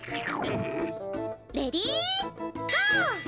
レディーゴー！